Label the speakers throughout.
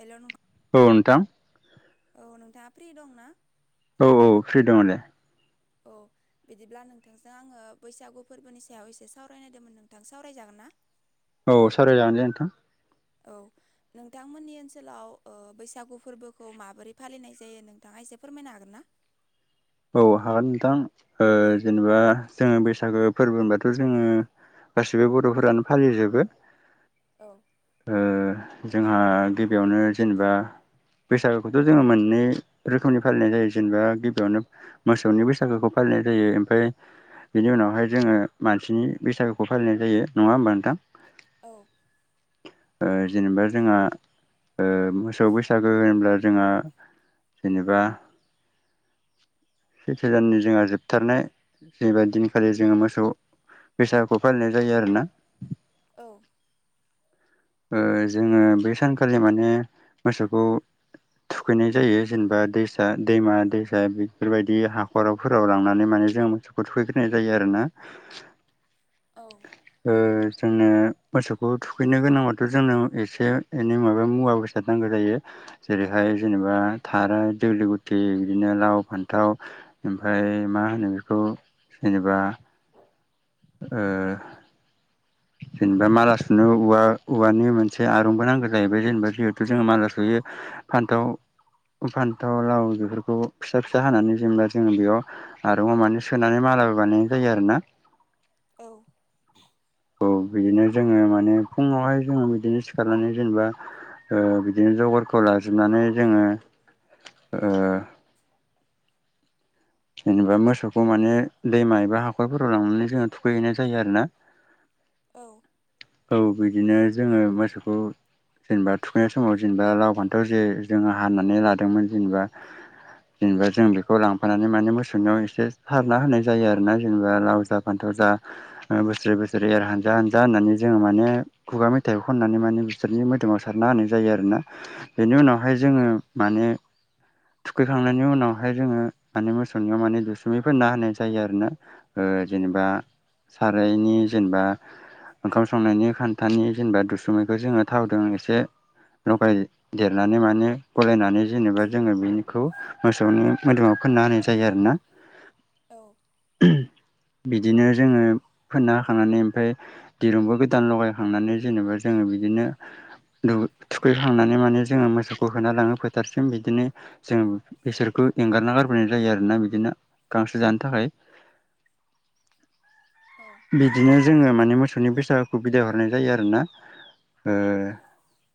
Speaker 1: Hello नु
Speaker 2: ओ नोंथां।
Speaker 1: नोंथाङा फ्रि दं ना?
Speaker 2: औ औ फ्रि दङ' दे।
Speaker 1: औ। बिदिब्ला नोंथांजों आङो बैसागु फोरबोनि सायाव एसे सावरायनायदोंमोन नोंथां सावरायजागोन ना?
Speaker 2: औ सावराय जानो जे नोंथां।
Speaker 1: औ। नोंथांमोननि ओनसोलाव ओ बैसागु फोरबोखौ माबोरै फालिनाय जायो नोंथाङा एसे फोरमायनो हागोन ना? [inaudible]
Speaker 2: औ हागोन नोंथां
Speaker 1: औ
Speaker 2: ओ जेनेबा जोङो बैसागो फोरबो होनबाथ' जोङो गासिबो बर'फोरानो फालिजोबो।
Speaker 1: औ।
Speaker 2: ओ जोंहा गिबियावनो जेनेबा बैसागुखौथ' जोङो मोननै रोखोमनि फालिनाय जायो जेनेबा गिबियावनो मोसौनि बैसागोखौ फालिनाय जायो ओमफ्राय बिनि उनावहाय जोङो मानसिनि बैसागुखौ फालिनाय जायो नङा होमबा नोंथां?
Speaker 1: औ
Speaker 2: ओ जेनेबा जोंहा ओ मोसौ बैसागो होनब्ला जोंहा जेनेबा
Speaker 1: [inaudible]
Speaker 2: सैथो दाननि जोंहा जोबथारनाय जेनेबा दिनखालि जोङो मोसौ बैसागुखौ फालिनाय जायो आरोना।
Speaker 1: औ।
Speaker 2: ओ जोङो बे सानखालि माने मोसौखौ थुखैनाय जायो जेनेबा दैसा दैमा दैसा बेफोरबायदि हाखरावफोराव लांनानै माने जों मोसौखौ थुखैग्रोनाय जायो आरोना।
Speaker 1: औ।
Speaker 2: ओ जोंनो मोसौखौ थुखैनो गोनांबाथ' जोंनो एसे एनै माबा मुवा बेसादा नां नांगौ जायो जेरैहाय जेनेबा थार दुलु गुथि बिदिनो लाव फान्थाव ओमफ्राय मा होनो बेखौ जेनेबा ओ। जेनेबा मालासुनो ओवा औवानि मोनसे आरंबो नांगौ जाहैबाय जेनेबा जिहेतु जोंङो माला सुयो बे फान्थाव फान्थाव लाव बेफोरखौ फिसा फिसा हानानै जेनेबा जोङो बेयाव आरङाव मानि सोनानै मा मालाबो बानाय जायो आरो ना।
Speaker 1: औ।
Speaker 2: औ बिदिनो जोङो माने फुङावहाय जोङो बिदिनो सिखारनानै जेनेबा बिदिनो जगारखौ लाजोबनानै जोङो
Speaker 1: [inaudible]
Speaker 2: जेनेबा मोसौखौ माने दैमा एबा हाखरफोराव लांनानै जोङो थुखैहैनाय जायो आरोना।
Speaker 1: [inaudible]
Speaker 2: औ बिदिनो जोङो मोसौखौ जेनेबा थुखैनाय समाव जेनेबा लाव फान्थाव जे जोङो हानानै लादोंमोन जेनेबा। जेनेबा जों बेखौ। लांफानानै मोसौाव एसे सारना होनाय जायो आरोना जेनेबा लाव जा फान्थाव जा बोसोर बसोरै एर हानजा हानजा होननानै जोङो माने खुगा मेथाइखौ खननानै माने बिसोरनि मोदोमाव सारना होनाय जायो आरो ना बेनि उनावहाय जोङो माने थुखैखांनायनि उनावहाय जोङो माने मोसौनियाव माने दुसुमैफोर फोनना होनाय जायो आरो ना जेनेबा। सारायनि जेनेबा। ओंखाम संनायनि खान्थानि जेनेबा दुसुमैखौ जोङो थावदों एसे लगाय देरनानै माने गलायनानै जेनेबा जोङो बेखौ मोसौनि मोदोमाव फोनना होनाय जायो आरोना।
Speaker 1: [inaudible]
Speaker 2: बिदिनो जोङो फोनना होखांनानै ओमफ्राय दिरुंबो गोदान लगायखांनानै जेनेबा जोङो। बिदिनो। थुखैहांनानै माने जोङो मोसौखौ होना लाङो फोथारसिम बिदिनो जों बिसोरखौ एंगारना गारबोनाय जायो आरोना बिदिनो गांसो जानो थाखाय बिदिनो जोङो माने मोसौनि बैसागुखौ बिदाय हरनाय जायो आरोना।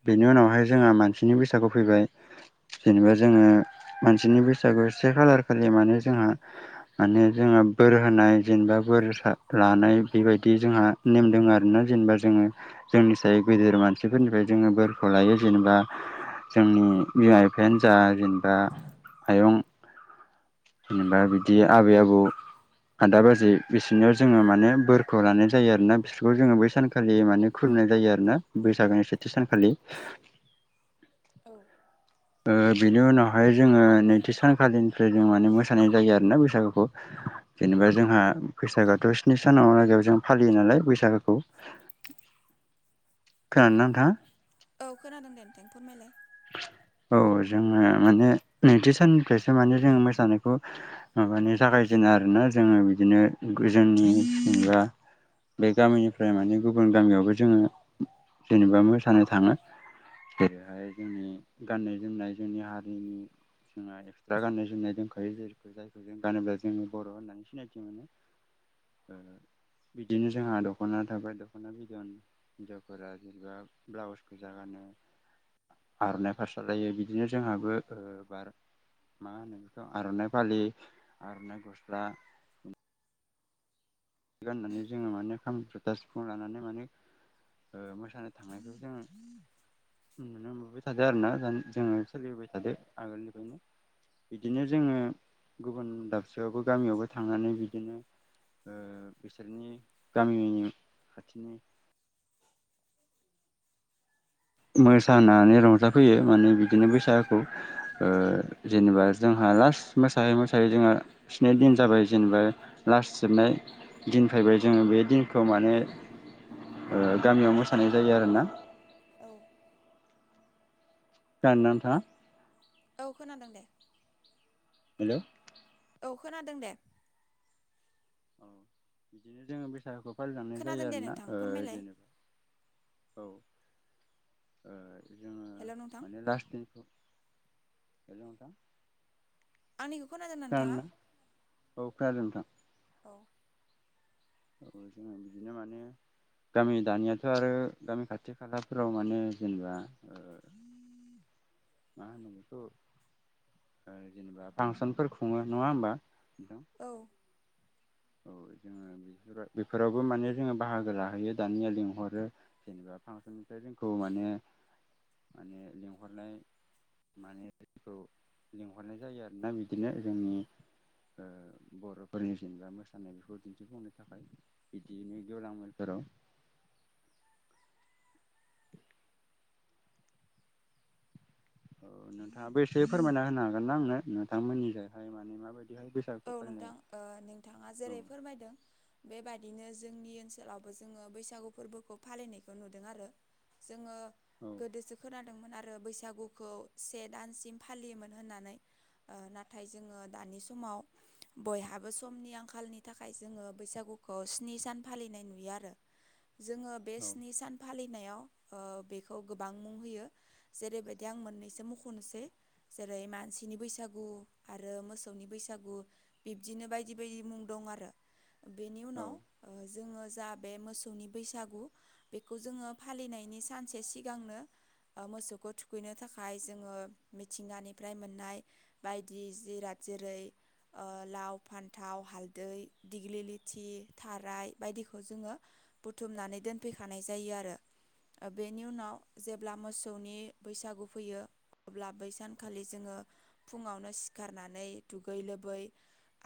Speaker 2: बेनि उनावहाय जोंहा मानसिनि बैसागु फैबाय। जेनेबा जोङो मानसिनि बैसागु एबा से खालार खालि माने जोंहा माने जोंहा बोर होनाय जेनेबा बोर लानाय बेबायदि जोंहा नेम दङ आरोना जेनेबा जोङो जोंनि साय गेदेर मानसिफोरनिफ्राय जोङो बोरखौ लायो जेनेबा। जोंनि बिमा बिफायानो जा जेनेबा आयं। जेनेबा बिदि आबै आबौ आदा बाजि बिसोरनाव जोङो माने बोरखौ लानाय जायो आरोना बिसोरखौ जोङो बै सानखालि माने खुलुमनाय जायो आरोना बैसागोनि सेथि सानखालि। खालि।
Speaker 1: औ
Speaker 2: बिनि उनावहाय जोङो नैथि सानखालिनिफ्राय जों माने मोसानाय जायो आरोना बैसागुखौ जेनेबा जोंहा बैसागोआथ' स्नि सान आयदायाव जों फालियो नालाय बैसागोखौ।
Speaker 1: [inaudible]
Speaker 2: खोनादोंना नोंथां?
Speaker 1: औ खोनादों नोंथां दे फोरमायलाय।
Speaker 2: औ जोङो माने नैथि साननिफ्रायसो माने जों मोसानायखौ माबानि जागायजेनो। बिदिनो आरोना जोङो बिदिनो जोंनि जा बा बे गामिनिफ्राय माने गुबुन गामियावबो जोङो जेनेबा मोसानो थाङो। बोरैहाय जोंनि गाननाय जोमनाय जोंनि हारिनि जोंहा एक्सट्रा गाननाय जोमनाय दोनखायो जायखौ जायखौ जों गानोब्ला जोङो बर' होननानै सिनायथि मोनो। ओ बिदिनो जोंहा दख'ना थाबाय दख'ना बिद'न हिनजावफोरा जेनेबा ब्लाउसखौ गोजा गानो।
Speaker 1: [inaudible]
Speaker 2: आर'नाइ फास्रा लायो बिदिनो जोंहाबो ओ बार मा होनो बेखौ आर'नाइ फालि आर'नाइ गस्ला गाननानै जोङो माने खाम जुथा सिफुं लानानै माने मोसानो थांनायखौ जों नुनो मोनबोबाय थादों आरो ना दा जोङो सोलिबोबाय थादो आगोलनिफ्रायनो। बिदिनो जोङो गुबुन दाबसेआवबो गामियावबो थांनानै बिदिनो ओ बिसोरनि गामिनि खाथिनि मोसानानै रंजाफैयो माने बिदिनो बैसागुखौ। ओ जेनेबा जोंहा लास्ट मोसायै मोसायै जोंङो स्नि दिन जाबाय जेनेबा लास्ट जोबनाय दिनफोयबाय बे जोङो बे दिनखौ माने गामियाव मोसानाय जायो आरोना।
Speaker 1: औ
Speaker 2: खोनादोंना नोंथाङा?
Speaker 1: औ खोनादों दे।
Speaker 2: हेल'
Speaker 1: औ खोनादों दे।
Speaker 2: औ बिदिनो जोङो बैसागुखौ फालिलांनाय जायो
Speaker 1: खोनादों दे
Speaker 2: आरोना।
Speaker 1: नोंथां
Speaker 2: ओ
Speaker 1: फोरमायलाय
Speaker 2: जेनेबा औ ओ जोङो
Speaker 1: हेल' नोंथां
Speaker 2: माने लास्ट दिनखौ हेल' नोंथां।
Speaker 1: आंनिखौ खोनादोंना नोंथाङा?
Speaker 2: औ खोनादों नोंथां।
Speaker 1: औ
Speaker 2: औ जोङो बिदिनो माने गामि दानियाथ' आरो गामि खाथि खालाफोराव माने जेनेबा ओ
Speaker 1: [inaudible]
Speaker 2: मा होनो बेखौ जेनेबा फांसनफोर खुङो नङा होमबा? [inaudible]
Speaker 1: औ
Speaker 2: औ जोङो बेफोर बेफोरावबो माने जोङो बाहागो लाहैयो दानिया। लिंहरो जेनेबा फांसननिफ्राय जोंखौ माने माने लिंहरनाय माने जोंखौ लिंहरनाय जायो आरोना बिदिनो जोंनि ओ बर'फोरनि जेनबा मोसानाय बेखौ दिन्थिफुंनो थाखाय बिदिनो गेवलां मेलफोराव औ नोंथाङाबो एसे फोरमायना होनो हागोन ना आंनो नोंथांमोननिजोंहाय माने माबायदि?
Speaker 1: औ नोंथां। नोंथाङा जेरै
Speaker 2: औ
Speaker 1: फोरमायदों बेबायदि बिदिनो जोंनि ओनसोलावबो जोङो बैसागु फोरबोखौ फालिनायखौ नुदों आरो। जोङो
Speaker 2: औ
Speaker 1: गोदोसो खोनादोंमोन आरो बैसागुखौ से दानसिम फालियोमोन होननानै। नाथाय जोङो दानि समाव बयहाबो समनि आंखालनि थाखाय जोङो बैसागुखौ स्नि सान फालिनाय नुयो आरो। जोङो बे
Speaker 2: औ
Speaker 1: स्नि सान फालिनायाव ओ बेखौ गोबां मुं होयो जेरैबायदि आं मोननैसो मख'नोसै जेरै- मा नसिनि बैसागु आरो मोसौनि बैसागु। बिब्दिनो बायदि बायदि मुं दं। आरो बेनि उनाव जोङो जा बे मोसौनि बैसागु बेखौ जोङो फालिनायनि सानसे सिगांनो मोसौखौ थुखैनो थाखाय जोङो मिथिंगानिफ्राय मोननाय बायदि जिर जेरै लाव फान्थाव हालदै दिग्लि लथि थाराय बायदिखौ जोङो बुथुमनानै दोनफैखानाय जायो आरो बेनि उनाव जेब्ला मोसौनि बैसागु फैयो। अब्ला बै सानखालि जोङो फुङावनो सिखारनानै दुगै लोब बै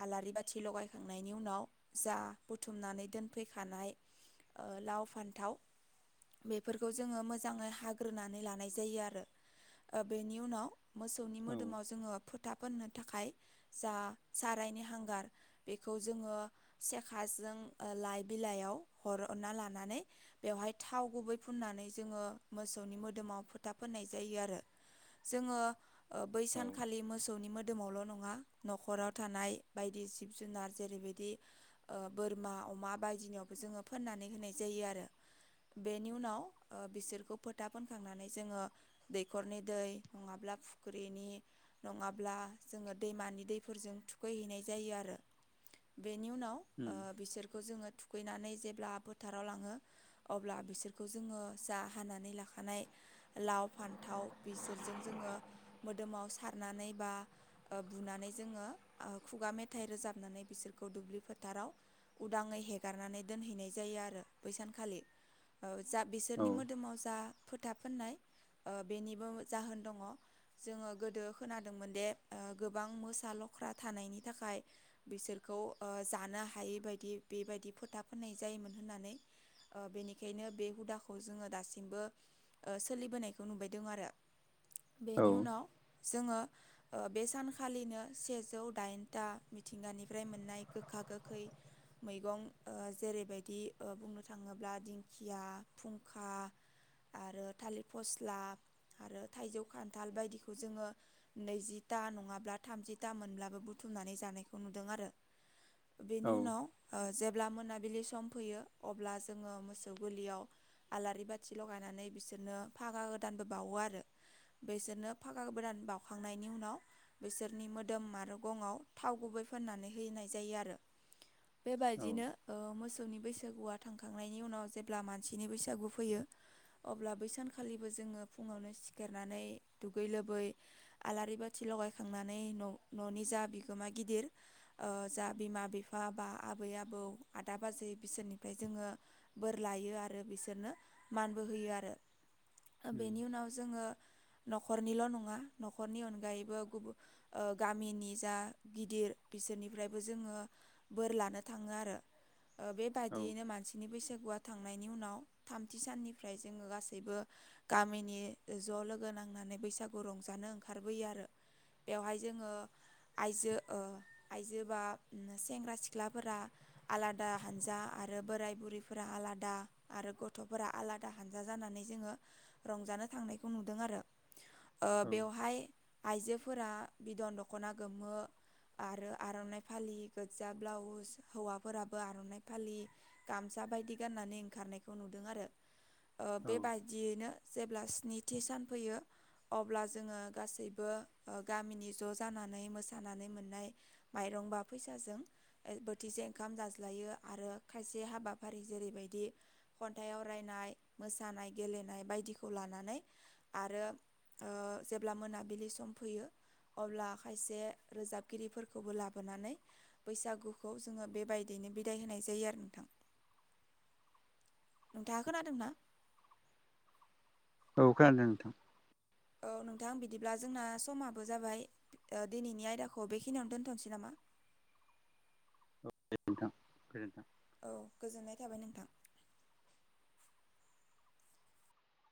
Speaker 1: आलारि बाथि लगायखांनायनि उनाव जा बुथुमनानै दोनफैखानाय लाव फान्थाव बेफोरखौ जोङो मोजाङै हाग्रोनानै लानाय जायो आरो बेनि उनाव मोसौनि
Speaker 2: औ
Speaker 1: मोदोमाव जोङो फोथा फोननो थाखाय जा सारायनि हांगार बेखौ जोङो सेखाजों लाइ बिलाइयाव हर अरना लानानै बेवहाय थाव गुबै फुननानै जोङो मोसौनि मोदोमाव फोथा फोननाय जायो। आरो जोङो बै
Speaker 2: औ
Speaker 1: सानखालि मोसौनि मोदोमावल' नङा न'ख'राव थानाय बायदि जिब जुनार जेरैबायदि बोरमा अमा बायदिनिबो जोङो फोननानै सानै होनाय जायो आरो बेनि उनाव बिसोरखौ फोथा फोनखांनानै जोङो दैखरनि दै नङाब्ला फुख्रिनि नङाब्ला जोङो दैमानि दैफोरजों थुखैहैनाय जायो आरो बेनि
Speaker 2: उम
Speaker 1: उनाव बिसोरखौ जोङो थुखैनानै जेब्ला फोथाराव लाङो अब्ला बिसोरखौ जोङो जा हानानै लाखानाय लाव फान्थाव बिसोरजों जोङो मोदोमाव सारनानै बा बुना नानै जोङो खुगा मेथाइ रोजाबनानै बिसोरखौ दुब्लि फोथाराव उदाङै हेगारनानै दोनहैनाय जायो आरो बैसानखालि ओ जा
Speaker 2: औ
Speaker 1: बिसोरनि मोदोमाव जा फोथाब फोननाय ओ बेनिबो जाहोन दङ जोङो गोदो खोनादोंमोन दे गोबां‌ गोबां मोसा लख्रा लख्रा थानायनि थाखाय बिसोरखौ ओ जानो हायै बायदि बेबायदि फोथा फोननाय जायो। मोन होननानै ओ बेनिखायनो बे हुदाखौ जोङो दासिमबो ओ सोलिबोनायखौ नुबायदों आरो। बेनि उनाव
Speaker 2: औ
Speaker 1: जोङो बे सानखालिनो सेजौ दाइनथा मिथिंगानिफ्राय मोननाय गोखा गोखै मैगं ओ जेरै जेरैबायदि बुंनो थाङोब्ला दिंखिया फुंखा आरो थालिर फस्ला आरो थाइजौ खान्थाल बायदिखौ जोङो नैजिथा नङाब्ला थामजि था मोनब्लाबो बुथुमनानै जानायखौ नुदों आरो बेनि
Speaker 2: औ
Speaker 1: उनाव ओ जेब्ला मोना बिलि सम फैयो अब्ला जोङो मोसौ गलियाव आलारि बाथि लगायनानै बिसोरनो फागा गोदानबो बावो आरो। बेसोरनो फागा गोदान बाउखांनायनि उनाव बिसोरनि मोद दोम आरो गंआव थाव गुबै फोननानै हैनाय जायो आरो
Speaker 2: औ
Speaker 1: बेबायदिनो ओ मोसौनि बैसो बैसागुआ थांखांनायनि उनाव जेब्ला मानसिनि बैसागुआ फैयो अब्ला बैसानखालिबो जोङो फुङावनो सिखारनानै दुगै लोबै आलारि बाथि लगायखांनानै न' न'नि जा बिगोमा गिदिर ओ जा बिमा बिफा बा आबै आबौ आदा बाजै बिसोरनिफ्राय जोङो बोर लायो आरो बिसोरनो मानबो होयो आरो।
Speaker 2: उम
Speaker 1: बेनि उनाव जोङो न'खरनिल' नङा न'खरनि अनगायैबो गुबुन ओ। गामिनि जा गिदिर बिसोरनिफ्रायबो जोङो बोर लानो थाङो आरो।
Speaker 2: औ
Speaker 1: बेबायदियैनो मानसिनि बैसागुआ। थांनायनि उनाव थामथि साननिफ्राय जोङो गासैबो गामिनि ज' लोगो नांनानै बैसागु रंजानो ओंखारबोयो आरो बेवहाय जोङो आजो ओ आइजो बा सेंग्रा सिख्लाफोरा आलादा आलादा हानजा आरो बोराय बुरैफोरा आलादा आरो गथ'फोरा आलादा हानजा जानानै जोङो रंजानो थांनायखौ नुदों आरो ओ
Speaker 2: औ
Speaker 1: बेवहाय आइजोफोरा बिदन दख'ना गोमो आरो आर'नाइ फालि गो्जा ब्लाउस हौवाफोराबो आर'नाइ फालि गामसा बेबायदि गान्नानै ओंखारनायखौ नुदों आरो ओ
Speaker 2: औ
Speaker 1: बेबायदियैनो जे जेब्ला स्निथि सान फैयो अब्ला जोङो गासैबो औ गामिनि ज' जानानै मोसानानै मोननाय माइरं बा फैसाजों बोथिसे ओंखाम जाज्लायो। आरो खायसे हाबाफारि जेरैबायदि खन्थाइ आवरायनाय मोसानाय गेलेनाय बायदिखौ लानानै आरो ओ जेब्ला मोनाबिलि सम फैयो अब्ला खायसे रोजाबगिरिफोरखौबो लाबोनानै बैसागुखौ जोङो बेबायदिनो बिदाय होनाय जायो आरो नोंथां। नोंथाङा खोनादोंना?
Speaker 2: औ खोनादों नोंथां।
Speaker 1: औ नोंथां बिदिब्ला जोंना समाबो जाबाय ओ दिनैनि आयदाखौ बेखिनियावनो दोनथ'नोसै नामा? [inaudible]
Speaker 2: औ दे नोंथां गोजोन्थों।
Speaker 1: औ गोजोननाय थाबाय नोंथां।